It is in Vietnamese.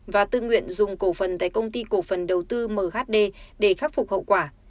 và tự nguyện dùng cổ phần tại công ty cổ phần đầu tư mhd để khắc phục hậu quả